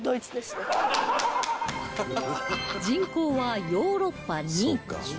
人口はヨーロッパ２位